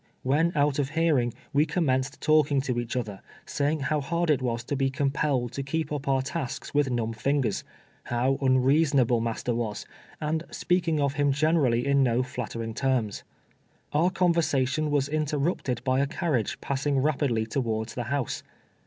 When out of hearing, we commenced talking to each other, saying how hard it was to be compelled to keep up our tasks with numb fingers ; how unreasonable mas ter was, and speaking of him generally in no flatter ing terms. Our conversation was interrupted by a carriage j^assing rapidly towards the house.